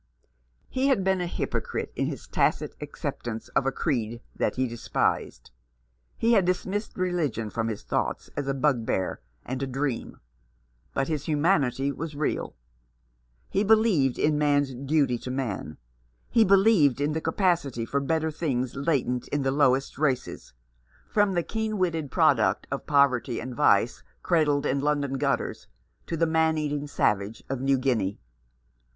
He had been a hypocrite in his tacit acceptance of a creed that he despised. He had dismissed religion from his thoughts as a bugbear and a dream. But his humanity was real. He believed 347 Rough Justice. in man's duty to man. He believed in the capacity for better things latent in the lowest races, from the keen witted product of poverty and vice cradled in London gutters to the man eating savage of New Guinea.